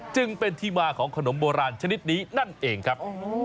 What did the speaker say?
จึงเป็นที่มาของขนมโบราณชนิดนี้นั่นเองครับ